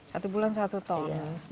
satu bulan satu ton